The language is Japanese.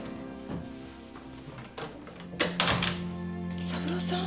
紀三郎さん？